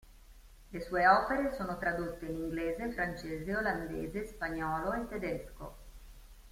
Le sue opere sono tradotte in inglese, francese, olandese, spagnolo e tedesco.